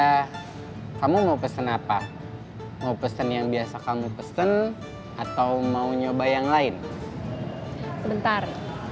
hai kamu mau pesen apa mau pesen yang biasa kamu pesen atau mau nyoba yang lain sebentar